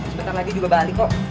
sebentar lagi juga bali kok